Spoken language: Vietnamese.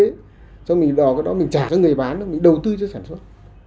xong rồi mình đòi cái đó mình trả cho người bán mình đầu tư cho sản xuất